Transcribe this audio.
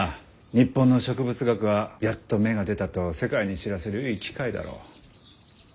日本の植物学はやっと芽が出たと世界に知らせるいい機会だろう。